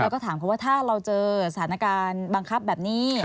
แล้วก็ถามเขาว่าถ้าเราเจอสถานการณ์บังคับแบบนี้